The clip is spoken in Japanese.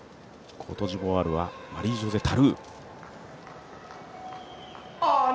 コートジボワールはマリージョゼ・タルー。